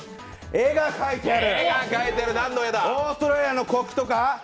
絵が描いてある。